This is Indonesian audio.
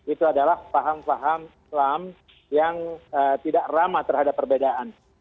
itu adalah paham paham islam yang tidak ramah terhadap perbedaan